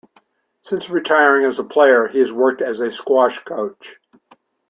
Since retiring as a player, he has worked as a squash coach.